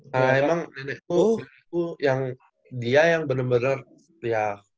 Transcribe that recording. karena emang nenekku nenekku yang dia yang bener bener ya